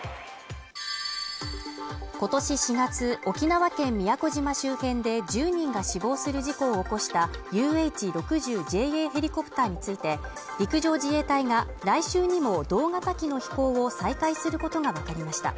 今年４月、沖縄県宮古島周辺で１０人が死亡する事故を起こしたＵＨ−６０ＪＡヘリコプターについて陸上自衛隊が来週にも同型機の飛行を再開することがわかりました。